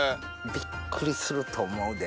ビックリすると思うで。